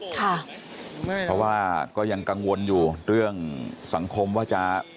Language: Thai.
เพราะว่าก็ยังกังวลอยู่เรื่องสังคมว่าจะ